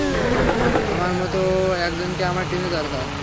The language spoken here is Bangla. তোমার মতো একজনকে আমার টিমে দরকার।